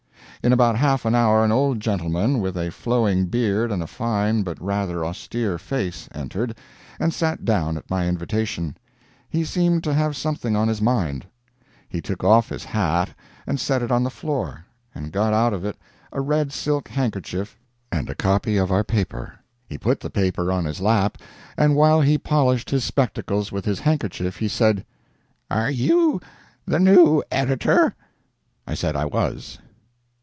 In about half an hour an old gentleman, with a flowing beard and a fine but rather austere face, entered, and sat down at my invitation. He seemed to have something on his mind. He took off his hat and set it on the floor, and got out of it a red silk handkerchief and a copy of our paper. He put the paper on his lap, and while he polished his spectacles with his handkerchief he said, "Are you the new editor?" I said I was.